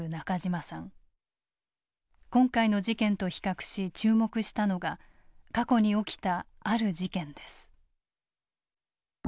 今回の事件と比較し注目したのが過去に起きたある事件です。